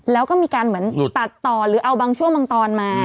แล้วก็มีการเหมือนตัดต่อหรือเอาบางช่วงบางตอนมา